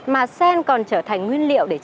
mà sen còn trở thành nguyên liệu của loài hoa